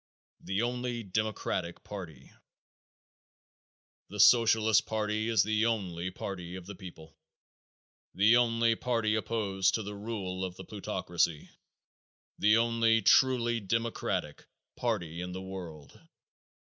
The Only Democratic Party. The Socialist party is the only party of the people, the only party opposed to the rule of the plutocracy, the only truly democratic party in the world.